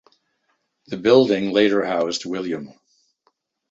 The building later housed Wm.